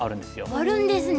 あるんですね。